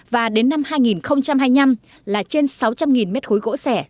và đến năm hai nghìn hai mươi năm là trên sáu trăm linh m ba gỗ sẻ